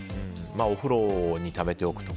お風呂にためておくと。